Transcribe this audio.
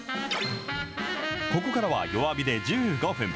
ここからは弱火で１５分。